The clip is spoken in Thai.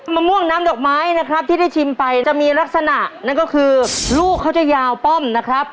มะม่วงน้ำดอกไม้นะครับที่ได้ชิมไปจะมีลักษณะนั่นก็คือลูกเขาจะยาวป้อมนะครับ